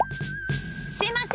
すいません！